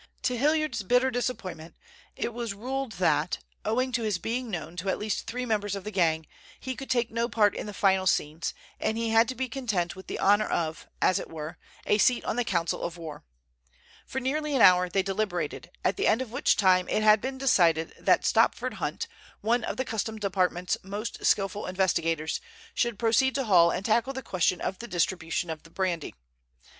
To Hilliard's bitter disappointment it was ruled that, owing to his being known to at least three members of the gang, he could take no part in the final scenes, and he had to be content with the honor of, as it were, a seat on the council of war. For nearly an hour they deliberated, at the end of which time it had been decided that Stopford Hunt, one of the Customs Department's most skillful investigators, should proceed to Hull and tackle the question of the distribution of the brandy.